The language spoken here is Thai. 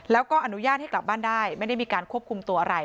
แล้วก็อนุญาตให้กลับบ้านได้ไม่ได้มีการควบคุมตัวอะไร